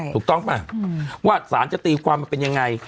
ถูกต้องป่ะว่าสารจะตีความมาเป็นยังไง